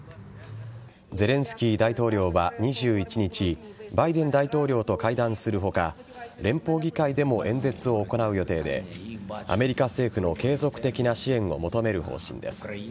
ゼレンスキー大統領は２１日バイデン大統領と会談する他連邦議会でも演説を行う予定でアメリカ政府の継続的な支援を求める方針です。